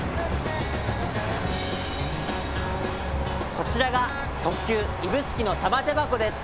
こちらが特急指宿のたまて箱です！